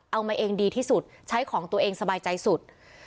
เอามาเองดีที่สุดใช้ของตัวเองสบายใจสุด